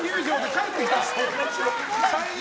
帰ってきた！